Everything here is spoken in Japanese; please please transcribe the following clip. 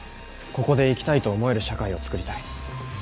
ここで生きたいと思える社会を作りたい。